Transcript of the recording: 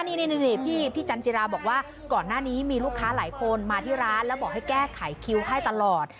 นี่พี่จันจิราบอกว่าก่อนหน้านี้มีลูกค้าหลายคนมาที่ร้านแล้วบอกให้แก้ไขคิวให้ตลอด